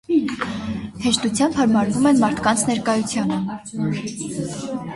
Հեշտությամբ հարմարվում են մարդկանց ներկայությանը։